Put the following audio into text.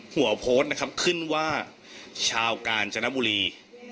หัวโพสต์นะครับขึ้นว่าชาวกาญจนบุรี